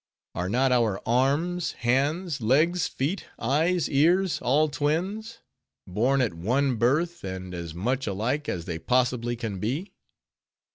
Are not our arms, hands, legs, feet, eyes, ears, all twins; born at one birth, and as much alike as they possibly can be?